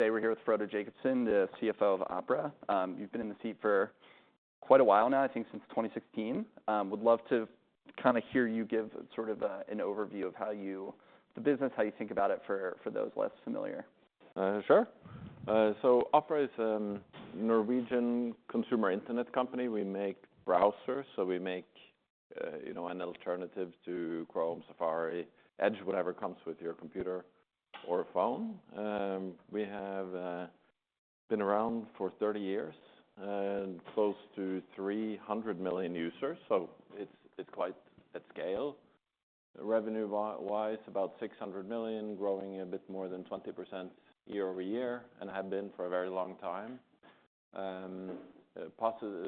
Hey, we're here with Frode Jacobsen, the CFO of Opera. You've been in the seat for quite a while now, I think since 2016. Would love to kinda hear you give sort of, an overview of how you the business, how you think about it for, for those less familiar. Sure. Opera is a Norwegian consumer internet company. We make browsers, so we make, you know, an alternative to Chrome, Safari, Edge, whatever comes with your computer or phone. We have been around for 30 years, close to 300 million users. It's quite at scale. Revenue-wise, about $600 million, growing a bit more than 20% year-over-year and have been for a very long time. Positive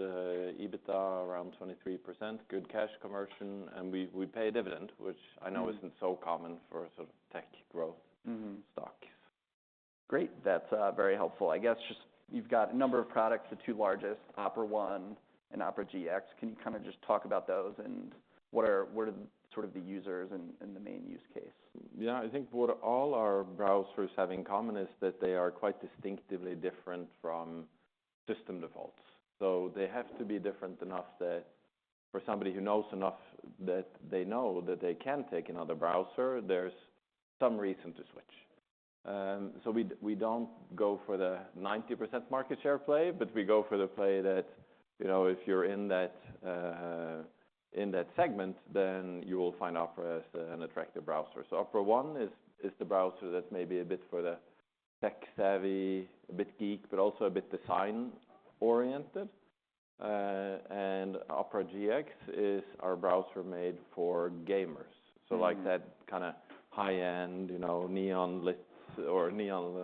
EBITDA around 23%, good cash conversion, and we pay dividend, which I know isn't so common for sort of tech growth. Mm-hmm. Stocks. Great. That's very helpful. I guess just you've got a number of products, the two largest, Opera One and Opera GX. Can you kinda just talk about those and what are sort of the users and the main use case? Yeah. I think what all our browsers have in common is that they are quite distinctively different from system defaults. So they have to be different enough that for somebody who knows enough that they know that they can take another browser, there's some reason to switch. So we, we don't go for the 90% market share play, but we go for the play that, you know, if you're in that, in that segment, then you will find Opera as an attractive browser. So Opera One is, is the browser that's maybe a bit for the tech-savvy, a bit geek, but also a bit design-oriented. And Opera GX is our browser made for gamers. Mm-hmm. So like that kinda high-end, you know, neon lights or neon,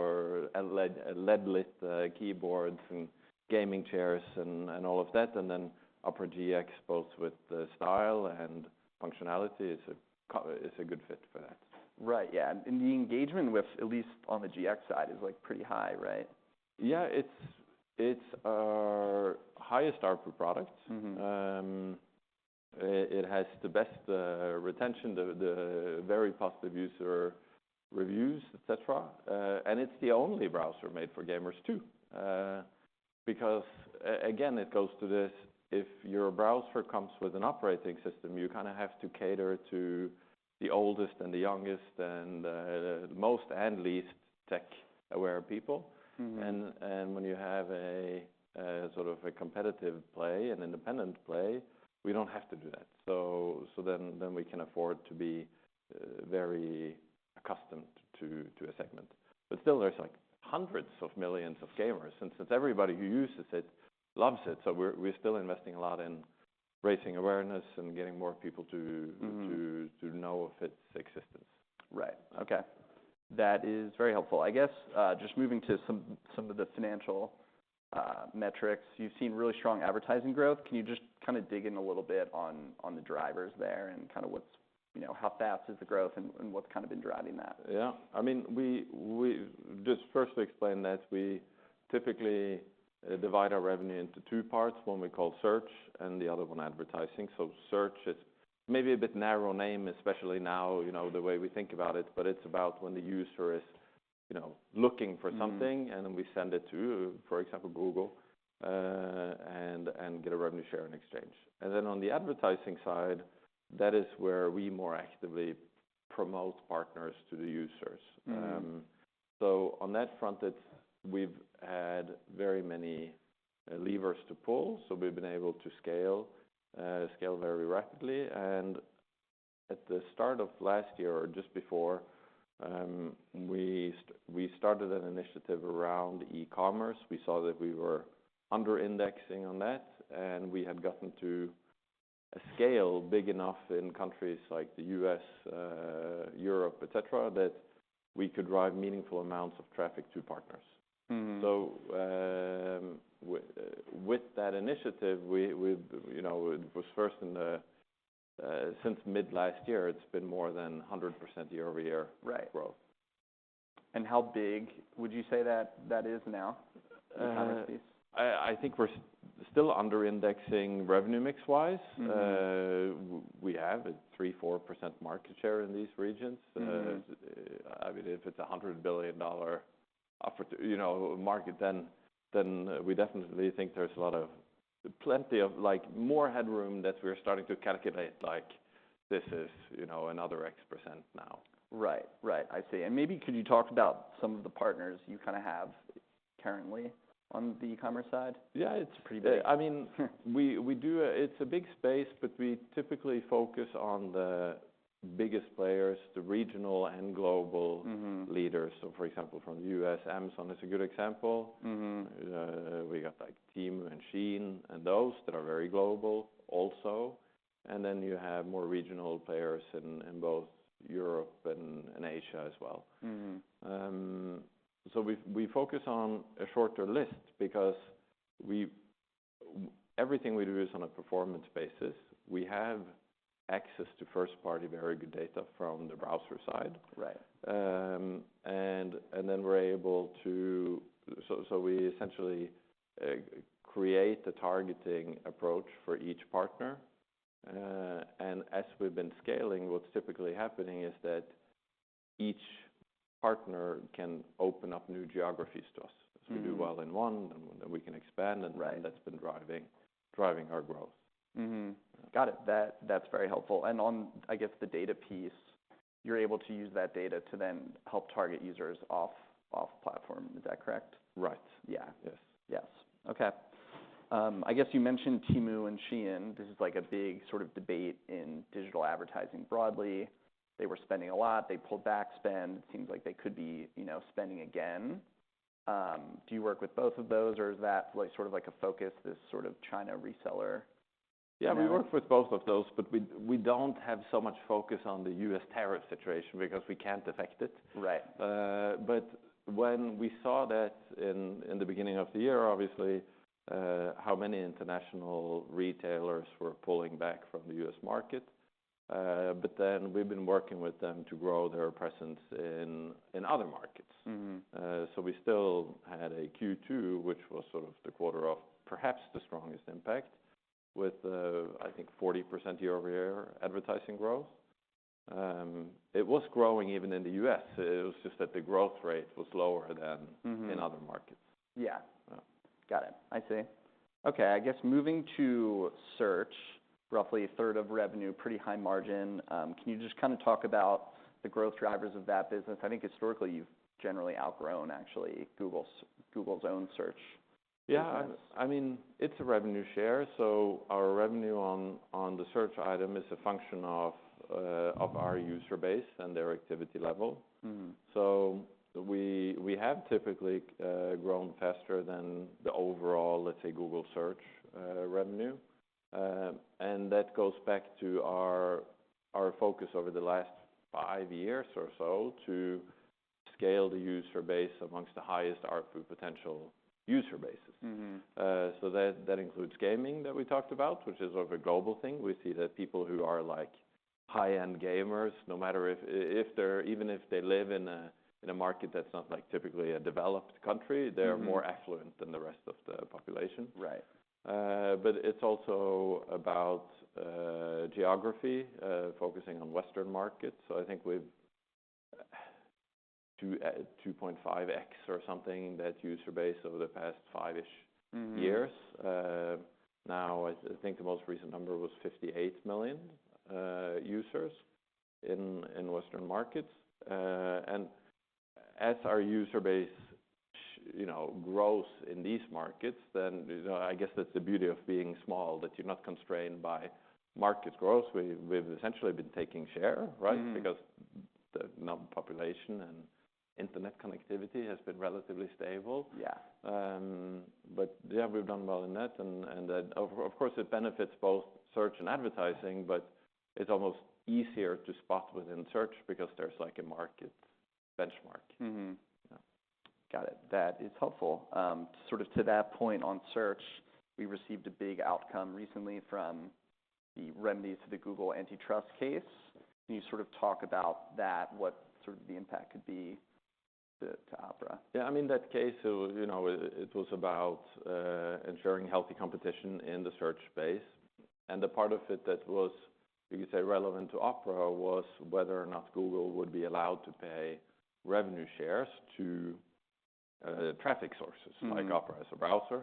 or LED-lit keyboards and gaming chairs and all of that. And then Opera GX, both with the style and functionality, is a good fit for that. Right. Yeah. And the engagement with, at least on the GX side, is like pretty high, right? Yeah. It's our highest-order product. Mm-hmm. It has the best retention, the very positive user reviews, etc. and it's the only browser made for gamers too. Because, again, it goes to this, if your browser comes with an operating system, you kinda have to cater to the oldest and the youngest and most and least tech-aware people. Mm-hmm. When you have sort of a competitive play, an independent play, we don't have to do that. So then we can afford to be very focused on a segment. But still, there's like hundreds of millions of gamers, and since everybody who uses it loves it, we're still investing a lot in raising awareness and getting more people to. Mm-hmm. To know of its existence. Right. Okay. That is very helpful. I guess, just moving to some, some of the financial metrics, you've seen really strong advertising growth. Can you just kinda dig in a little bit on, on the drivers there and kinda what's, you know, how fast is the growth and, and what's kinda been driving that? Yeah. I mean, we just first to explain that we typically divide our revenue into two parts, one we call search and the other one advertising. So search is maybe a bit narrow name, especially now, you know, the way we think about it, but it's about when the user is, you know, looking for something and we send it to, for example, Google, and get a revenue share in exchange. And then on the advertising side, that is where we more actively promote partners to the users. Mm-hmm. So on that front, it's we've had very many levers to pull. So we've been able to scale very rapidly. And at the start of last year or just before, we started an initiative around e-commerce. We saw that we were under-indexing on that, and we had gotten to a scale big enough in countries like the U.S., Europe, etc., that we could drive meaningful amounts of traffic to partners. Mm-hmm. With that initiative, you know, it was first in the since mid-last year. It's been more than 100% year-over-year growth. Right. And how big would you say that is now, economic piece? I think we're still under-indexing revenue mix-wise. Mm-hmm. We have a 3%-4% market share in these regions. Mm-hmm. I mean, if it's a $100 billion offer to, you know, market, then, we definitely think there's a lot of plenty of like more headroom that we're starting to calculate like this is, you know, another X% now. Right. Right. I see. And maybe could you talk about some of the partners you kinda have currently on the e-commerce side? Yeah. It's a pretty big. I mean, we do. It's a big space, but we typically focus on the biggest players, the regional and global. Mm-hmm. Leaders, so for example, from the U.S., Amazon is a good example. Mm-hmm. We got like Temu and Shein and those that are very global also. And then you have more regional players in both Europe and Asia as well. Mm-hmm. So we focus on a shorter list because everything we do is on a performance basis. We have access to first-party very good data from the browser side. Right. We're able to, so we essentially create a targeting approach for each partner. As we've been scaling, what's typically happening is that each partner can open up new geographies to us. Mm-hmm. So we do well in one, and then we can expand. Right. That's been driving our growth. Mm-hmm. Got it. That's very helpful. And on, I guess, the data piece, you're able to use that data to then help target users off platform. Is that correct? Right. Yeah. Yes. Yes. Okay. I guess you mentioned Temu and Shein. This is like a big sort of debate in digital advertising broadly. They were spending a lot. They pulled back spend. It seems like they could be, you know, spending again. Do you work with both of those, or is that like sort of like a focus, this sort of China reseller? Yeah. We work with both of those, but we don't have so much focus on the U.S. tariff situation because we can't affect it. Right. But when we saw that in the beginning of the year, obviously, how many international retailers were pulling back from the U.S. market. But then we've been working with them to grow their presence in other markets. Mm-hmm. So we still had a Q2, which was sort of the quarter of perhaps the strongest impact with, I think, 40% year-over-year advertising growth. It was growing even in the U.S. It was just that the growth rate was lower than. Mm-hmm. In other markets. Yeah. Yeah. Got it. I see. Okay. I guess moving to search, roughly a third of revenue, pretty high margin. Can you just kinda talk about the growth drivers of that business? I think historically you've generally outgrown actually Google's own search. Yeah. I mean, it's a revenue share. So our revenue on the search item is a function of our user base and their activity level. Mm-hmm. So we have typically grown faster than the overall, let's say, Google search revenue. And that goes back to our focus over the last five years or so to scale the user base among the highest output potential user bases. Mm-hmm. So that includes gaming that we talked about, which is sort of a global thing. We see that people who are like high-end gamers, no matter if they're even if they live in a market that's not like typically a developed country, they're more affluent than the rest of the population. Right. but it's also about geography, focusing on Western markets. So I think we've 2-2.5x or something that user base over the past five-ish. Mm-hmm. Years now, I think the most recent number was 58 million users in Western markets. As our user base, you know, grows in these markets, then, you know, I guess that's the beauty of being small, that you're not constrained by market growth. We've essentially been taking share, right? Mm-hmm. Because the number of population and internet connectivity has been relatively stable. Yeah. But yeah, we've done well in that. And that of course it benefits both search and advertising, but it's almost easier to spot within search because there's like a market benchmark. Mm-hmm. Yeah. Got it. That is helpful. Sort of to that point on search, we received a big outcome recently from the remedies to the Google antitrust case. Can you sort of talk about that, what sort of the impact could be to Opera? Yeah. I mean, that case, you know, it was about ensuring healthy competition in the search space, and the part of it that was, you could say, relevant to Opera was whether or not Google would be allowed to pay revenue shares to traffic sources. Mm-hmm. Like Opera as a browser,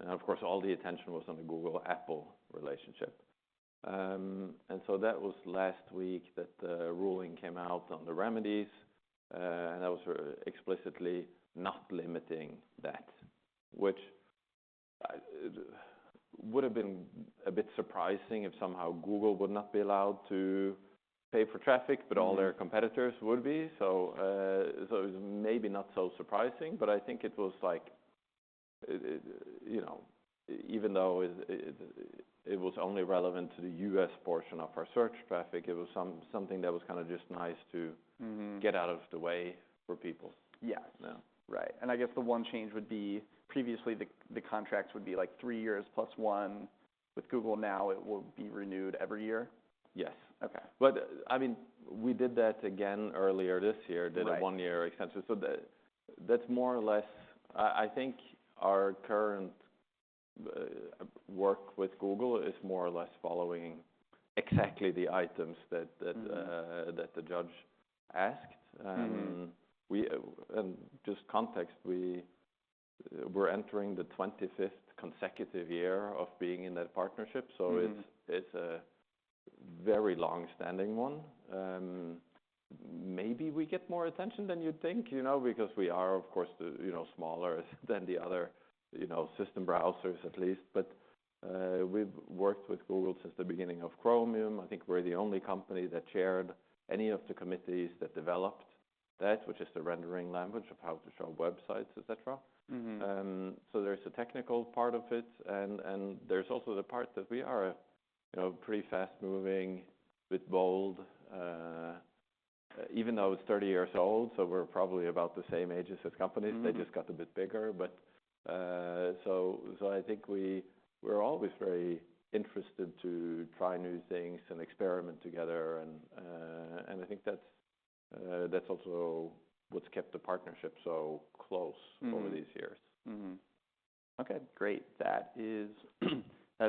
and of course, all the attention was on the Google-Apple relationship, and so that was last week that the ruling came out on the remedies, and that was explicitly not limiting that, which would have been a bit surprising if somehow Google would not be allowed to pay for traffic, but all their competitors would be. So it was maybe not so surprising, but I think it was like it, you know, even though it was only relevant to the U.S. portion of our search traffic, it was something that was kinda just nice to. Mm-hmm. Get out of the way for people. Yeah. Yeah. Right, and I guess the one change would be previously the contract would be like three years plus one with Google. Now it will be renewed every year. Yes. Okay. But, I mean, we did that again earlier this year. Right. Did a one-year extension. So that's more or less. I think our current work with Google is more or less following exactly the items that. Mm-hmm. That the judge asked. Mm-hmm. And just for context, we're entering the 25th consecutive year of being in that partnership. Mm-hmm. So it's a very long-standing one. Maybe we get more attention than you'd think, you know, because we are, of course, you know, smaller than the other, you know, system browsers at least. But, we've worked with Google since the beginning of Chromium. I think we're the only company that shared any of the committees that developed that, which is the rendering language of how to show websites, etc. Mm-hmm. So there's a technical part of it. And there's also the part that we are a, you know, pretty fast-moving, a bit bold. Even though it's 30 years old, so we're probably about the same ages as companies. Mm-hmm. They just got a bit bigger. But, so I think we're always very interested to try new things and experiment together. And I think that's also what's kept the partnership so close. Mm-hmm. Over these years. Mm-hmm. Okay. Great. That is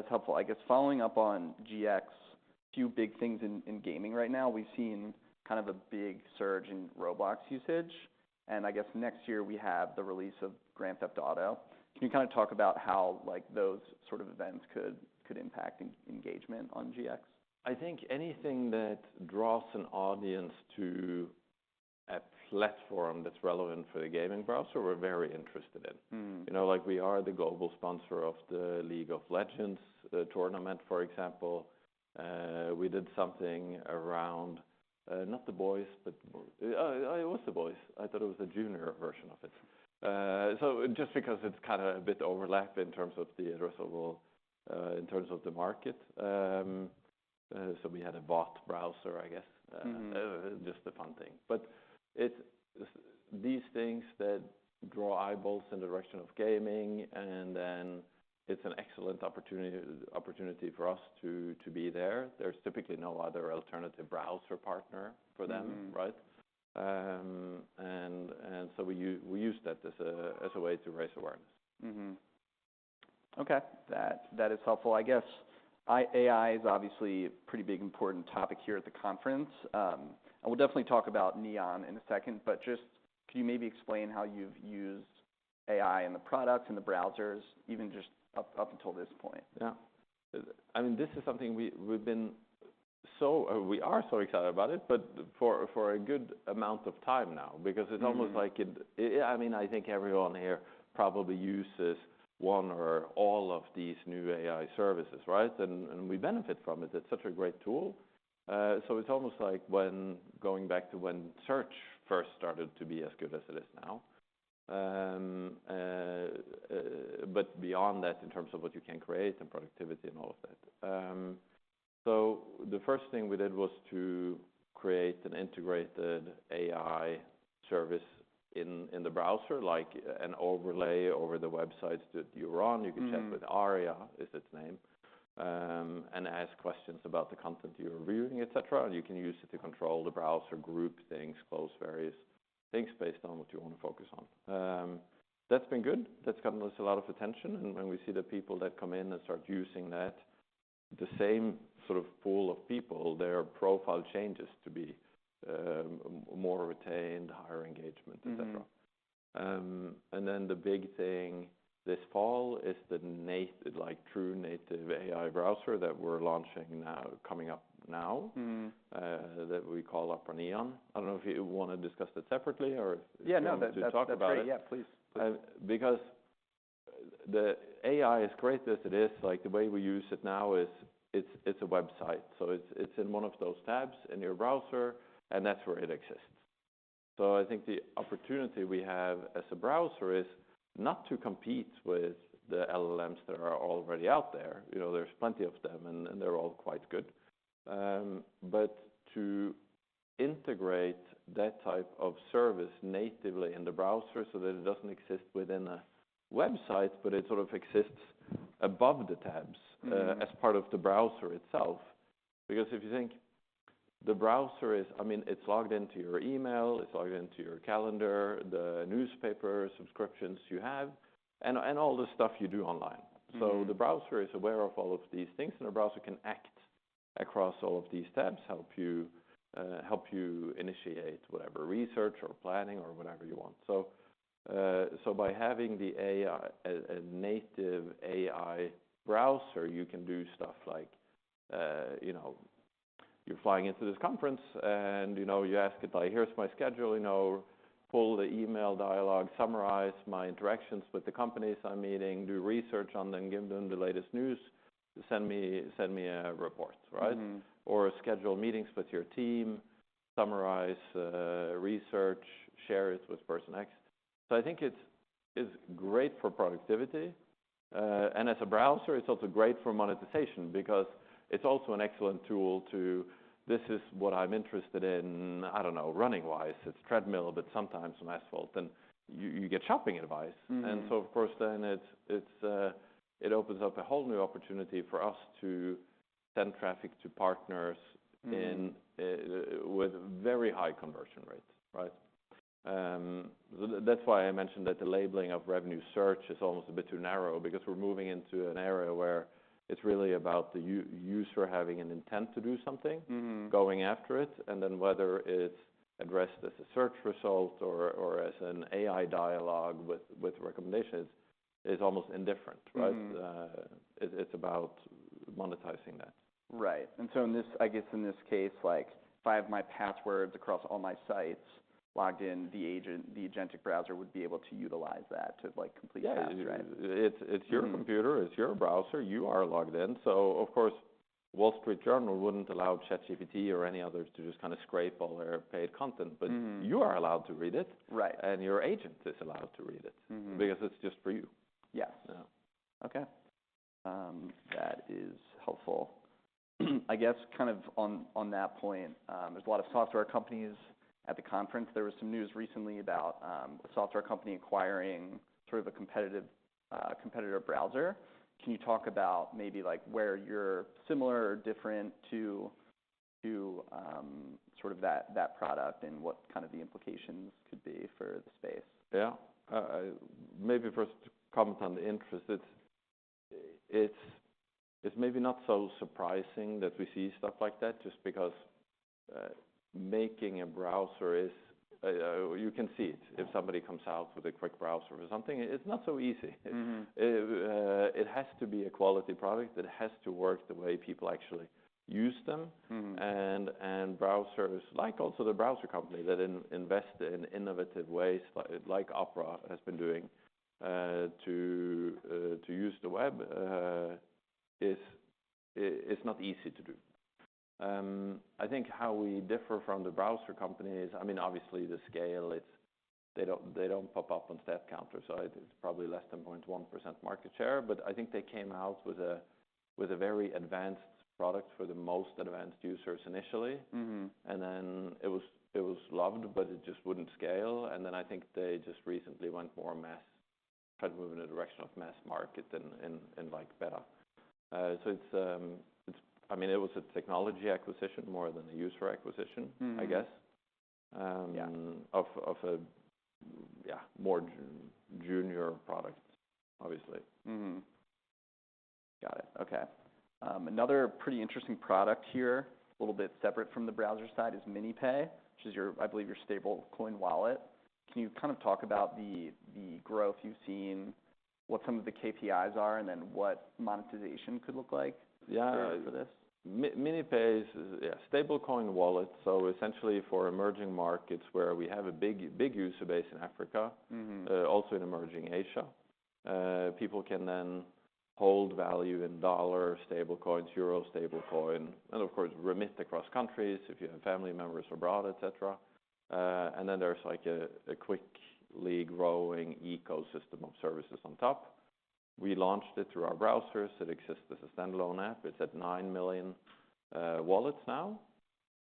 helpful. I guess following up on GX, few big things in gaming right now. We've seen kind of a big surge in Roblox usage. And I guess next year we have the release of Grand Theft Auto. Can you kinda talk about how, like, those sort of events could impact engagement on GX? I think anything that draws an audience to a platform that's relevant for the gaming browser we're very interested in. Mm-hmm. You know, like we are the global sponsor of the League of Legends tournament, for example. We did something around not The Boys, but it was The Boys. I thought it was the junior version of it, so just because it's kinda a bit overlap in terms of the addressable, in terms of the market, so we had a GX browser, I guess. Mm-hmm. just a fun thing. But it's these things that draw eyeballs in the direction of gaming, and then it's an excellent opportunity for us to be there. There's typically no other alternative browser partner for them. Mm-hmm. Right? And so we use that as a way to raise awareness. Mm-hmm. Okay. That, that is helpful. I guess AI is obviously a pretty big important topic here at the conference, and we'll definitely talk about Neon in a second, but just could you maybe explain how you've used AI in the products, in the browsers, even just up until this point? Yeah. I mean, this is something we've been so, we are so excited about it, but for a good amount of time now because it's almost like it I mean, I think everyone here probably uses one or all of these new AI services, right? And we benefit from it. It's such a great tool, so it's almost like when going back to when search first started to be as good as it is now, but beyond that in terms of what you can create and productivity and all of that, so the first thing we did was to create an integrated AI service in the browser, like an overlay over the websites that you're on. You can check with Aria, its name, and ask questions about the content you're viewing, etc. And you can use it to control the browser, group things, close various things based on what you wanna focus on. That's been good. That's gotten us a lot of attention. And when we see the people that come in and start using that, the same sort of pool of people, their profile changes to be more retained, higher engagement, etc. Mm-hmm. And then the big thing this fall is the native, like, true native AI browser that we're launching now, coming up now. Mm-hmm. that we call Opera Neon. I don't know if you wanna discuss that separately or. Yeah. No. That's great. To talk about it. Yeah. Please. Please. Because the AI is great as it is. Like the way we use it now is it's a website. So it's in one of those tabs in your browser, and that's where it exists. So I think the opportunity we have as a browser is not to compete with the LLMs that are already out there. You know, there's plenty of them, and they're all quite good, but to integrate that type of service natively in the browser so that it doesn't exist within a website, but it sort of exists above the tabs. Mm-hmm. As part of the browser itself. Because if you think the browser is, I mean, it's logged into your email. It's logged into your calendar, the newspaper subscriptions you have, and all the stuff you do online. Mm-hmm. The browser is aware of all of these things, and the browser can act across all of these tabs, help you initiate whatever research or planning or whatever you want. By having the AI, a native AI browser, you can do stuff like, you know, you're flying into this conference, and, you know, you ask it like, "Here's my schedule." You know, pull the email dialogue, summarize my interactions with the companies I'm meeting, do research on them, give them the latest news, send me a report, right? Mm-hmm. Or schedule meetings with your team, summarize, research, share it with person X. So I think it's great for productivity, and as a browser, it's also great for monetization because it's also an excellent tool to, "This is what I'm interested in," I don't know, running-wise. It's treadmill, but sometimes on asphalt, and you get shopping advice. Mm-hmm. And so of course, then it's, it opens up a whole new opportunity for us to send traffic to partners. Mm-hmm. With very high conversion rates, right? So that's why I mentioned that the labeling of revenue search is almost a bit too narrow because we're moving into an area where it's really about the user having an intent to do something. Mm-hmm. Going after it. And then whether it's addressed as a search result or as an AI dialogue with recommendations, it's almost indifferent, right? Mm-hmm. It's about monetizing that. Right. And so in this, I guess in this case, like if I have my passwords across all my sites logged in, the agentic browser would be able to utilize that to like complete that, right? Yeah. It's your computer. It's your browser. You are logged in. So of course, Wall Street Journal wouldn't allow ChatGPT or any others to just kinda scrape all their paid content. Mm-hmm. But you are allowed to read it. Right. Your agent is allowed to read it. Mm-hmm. Because it's just for you. Yes. Yeah. Okay. That is helpful. I guess kind of on that point, there's a lot of software companies at the conference. There was some news recently about a software company acquiring sort of a competitive competitor browser. Can you talk about maybe like where you're similar or different to sort of that product and what kind of the implications could be for the space? Yeah. Maybe first to comment on the interest. It's maybe not so surprising that we see stuff like that just because making a browser is, you can see it. If somebody comes out with a quick browser or something, it's not so easy. Mm-hmm. It has to be a quality product. It has to work the way people actually use them. Mm-hmm. Browsers, like also The Browser Company that invests in innovative ways, like Opera has been doing, to use the web, is not easy to do. I think how we differ from the Browser Company is, I mean, obviously the scale. They don't pop up on StatCounter, so it's probably less than 0.1% market share. But I think they came out with a very advanced product for the most advanced users initially. Mm-hmm. It was loved, but it just wouldn't scale. I think they just recently went more mass, kinda moving in a direction of mass market and like better. So it's, I mean, it was a technology acquisition more than a user acquisition. Mm-hmm. I guess. Yeah. of a, yeah, more junior product, obviously. Mm-hmm. Got it. Okay. Another pretty interesting product here, a little bit separate from the browser side, is MiniPay, which is your, I believe, your stablecoin wallet. Can you kind of talk about the growth you've seen, what some of the KPIs are, and then what monetization could look like for this? Yeah. MiniPay is, yeah, stablecoin wallet. So essentially for emerging markets where we have a big, big user base in Africa. Mm-hmm. Also in emerging Asia. People can then hold value in dollar stablecoins, euro stablecoin, and of course remit across countries if you have family members abroad, etc. And then there's like a quickly growing ecosystem of services on top. We launched it through our browsers. It exists as a standalone app. It's at nine million wallets now.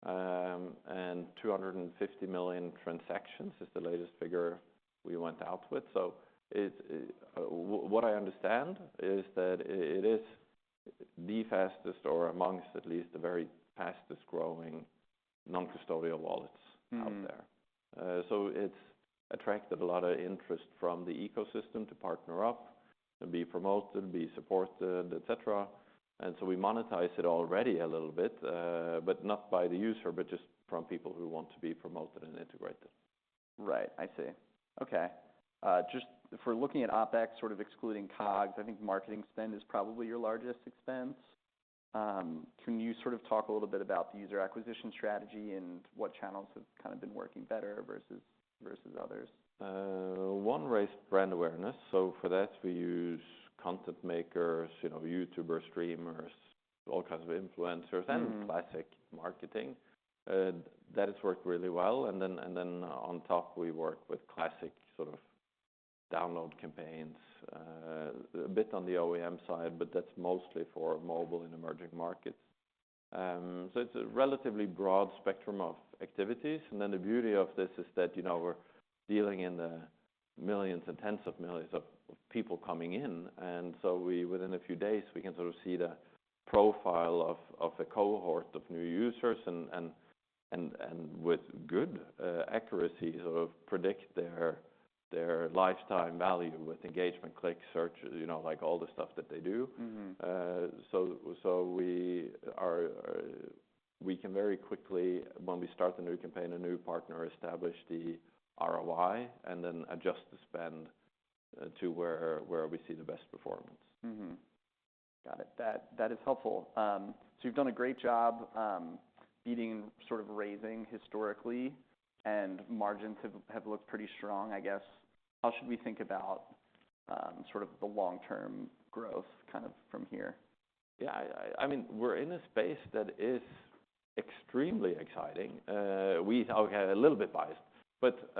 And 250 million transactions is the latest figure we went out with. So what I understand is that it is the fastest or amongst at least the very fastest growing non-custodial wallets. Mm-hmm. Out there, so it's attracted a lot of interest from the ecosystem to partner up, to be promoted, be supported, etc., and so we monetize it already a little bit, but not by the user, but just from people who want to be promoted and integrated. Right. I see. Okay. Just for looking at OpEx, sort of excluding COGS, I think marketing spend is probably your largest expense. Can you sort of talk a little bit about the user acquisition strategy and what channels have kind of been working better versus others? One raised brand awareness. So for that, we use content makers, you know, YouTubers, streamers, all kinds of influencers, and classic marketing. That has worked really well. And then on top, we work with classic sort of download campaigns, a bit on the OEM side, but that's mostly for mobile in emerging markets. So it's a relatively broad spectrum of activities. And then the beauty of this is that, you know, we're dealing in the millions and tens of millions of people coming in. And so we, within a few days, we can sort of see the profile of a cohort of new users and with good accuracy sort of predict their lifetime value with engagement, click, search, you know, like all the stuff that they do. Mm-hmm. We can very quickly, when we start the new campaign, a new partner establish the ROI and then adjust the spend to where we see the best performance. Mm-hmm. Got it. That is helpful. So you've done a great job, beating sort of raising historically, and margins have looked pretty strong, I guess. How should we think about sort of the long-term growth kind of from here? Yeah. I mean, we're in a space that is extremely exciting. We're okay, a little bit biased. But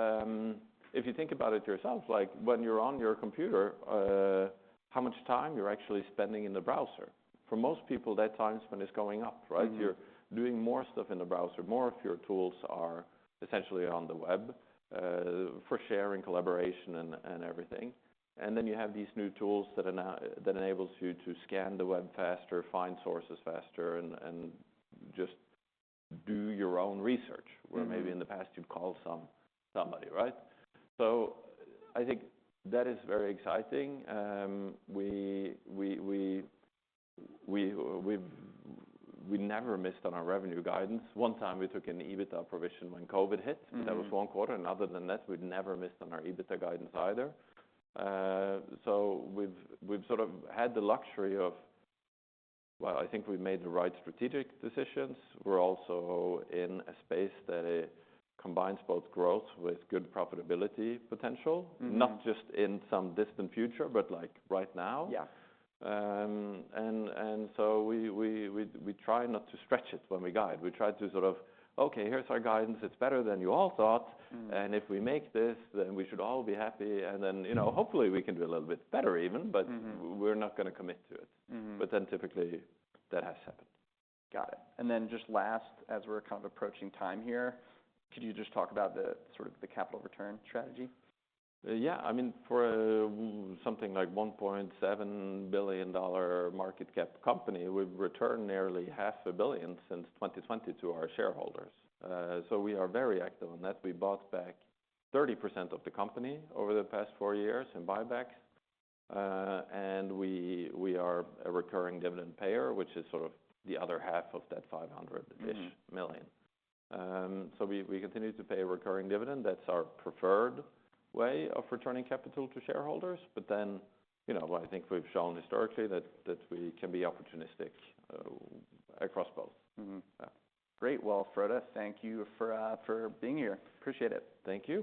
if you think about it yourself, like when you're on your computer, how much time you're actually spending in the browser? For most people, that time spent is going up, right? Mm-hmm. You're doing more stuff in the browser, more of your tools are essentially on the web, for sharing, collaboration, and everything. And then you have these new tools that enables you to scan the web faster, find sources faster, and just do your own research. Mm-hmm. Where maybe in the past you'd call some, somebody, right? So I think that is very exciting. We've never missed on our revenue guidance. One time we took an EBITDA provision when COVID hit. Mm-hmm. That was one quarter. And other than that, we'd never missed on our EBITDA guidance either. So we've sort of had the luxury of, well, I think we've made the right strategic decisions. We're also in a space that combines both growth with good profitability potential. Mm-hmm. Not just in some distant future, but like right now. Yeah. and so we try not to stretch it when we guide. We try to sort of, "Okay. Here's our guidance. It's better than you all thought. Mm-hmm. And if we make this, then we should all be happy." And then, you know, hopefully we can do a little bit better even, but. Mm-hmm. We're not gonna commit to it. Mm-hmm. But then typically that has happened. Got it. And then just last, as we're kind of approaching time here, could you just talk about the sort of capital return strategy? Yeah. I mean, for something like $1.7 billion market cap company, we've returned nearly $500 million since 2020 to our shareholders, so we are very active on that. We bought back 30% of the company over the past four years in buybacks, and we are a recurring dividend payer, which is sort of the other half of that $500 million. Mm-hmm. So we continue to pay a recurring dividend. That's our preferred way of returning capital to shareholders. But then, you know, I think we've shown historically that we can be opportunistic, across both. Mm-hmm. Yeah. Great. Well, Frode, thank you for being here. Appreciate it. Thank you.